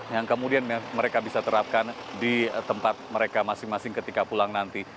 yang kemudian mereka bisa terapkan di tempat mereka masing masing ketika pulang nanti